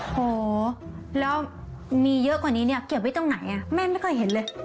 โหแล้วมีเยอะกว่านี้เนี่ยเก็บไว้ตรงไหนแม่ไม่เคยเห็นเลย